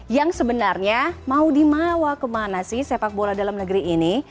yang sebenarnya mau dibawa kemana sih sepak bola dalam negeri ini